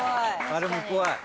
あれも怖い。